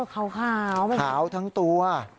ขาวขาวทั้งตัว